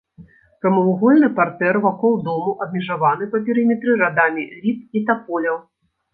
Прамавугольны партэр вакол дому абмежаваны па перыметры радамі ліп і таполяў.